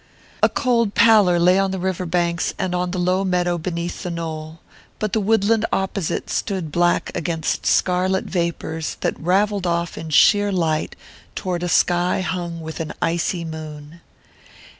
A cold pallor lay on the river banks and on the low meadow beneath the knoll; but the woodland opposite stood black against scarlet vapours that ravelled off in sheer light toward a sky hung with an icy moon.